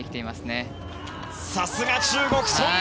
さすが、中国、ソン・イ！